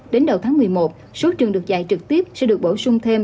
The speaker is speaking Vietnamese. đến đầu tháng một mươi một số trường được dạy trực tiếp sẽ được bổ sung thêm